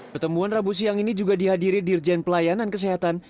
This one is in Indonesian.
pertemuan rabu siang ini juga dihadiri dirjen pelayanan kesehatan